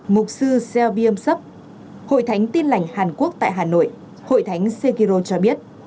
mục sư selby emsup hội thánh tin lành hàn quốc tại hà nội hội thánh sekiro cho biết